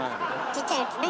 ちっちゃいやつね。